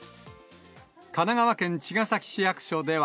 神奈川県茅ヶ崎市役所では。